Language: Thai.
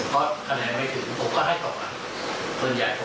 เพราะคะแนนไม่ถึงผมก็ให้ต่อก่อน